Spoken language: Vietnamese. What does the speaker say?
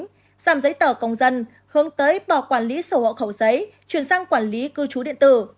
giảm giấy tờ công dân hướng tới bỏ quản lý sổ hộ khẩu giấy chuyển sang quản lý cư trú điện tử